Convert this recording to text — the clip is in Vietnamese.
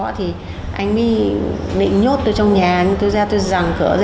anh ấy định nhốt tôi trong nhà tôi ra tôi rẳng cửa ra